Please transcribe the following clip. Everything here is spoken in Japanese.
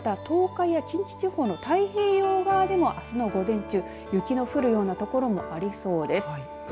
東海や近畿地方の太平洋側でもあすの午前中、雪の降るような所もありそうです。